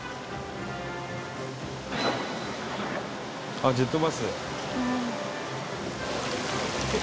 「あっジェットバス」